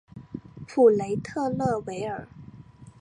普雷特勒维尔。